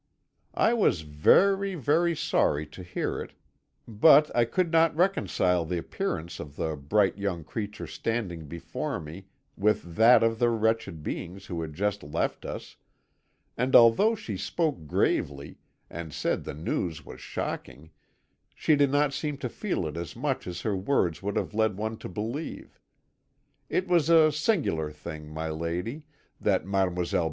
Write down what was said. "I was very, very sorry to hear it, but I could not reconcile the appearance of the bright young creature standing before me with that of the wretched beings who had just left us; and although she spoke gravely, and said the news was shocking, she did not seem to feel it as much as her words would have led one to believe. It was a singular thing, my lady, that Mdlle.